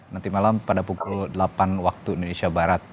nanti malam pada pukul delapan waktu indonesia barat